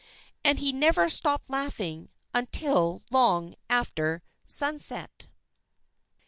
And he never stopped laughing until long after sunset.